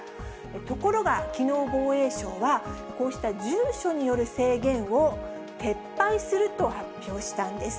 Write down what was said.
ところが、きのう防衛省は、こうした住所による制限を撤廃すると発表したんです。